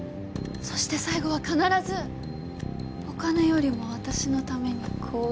そして最後は必ずお金よりも私のために行動する。